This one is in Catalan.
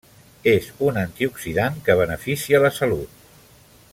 És un antioxidant que beneficia la salut.